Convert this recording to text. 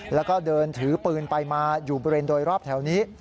แล้วก็เดินถือปืนไปมาอยู่บริเวณโดยรอบแถวนี้